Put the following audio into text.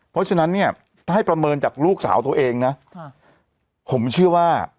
เพราะฉะนั้นเนี่ยถ้าให้ประเมินจากลูกสาวตัวเองนะผมเชื่อว่า